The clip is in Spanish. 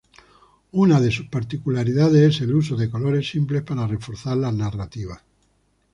Una de sus particularidades es el uso de colores simples para reforzar la narrativa.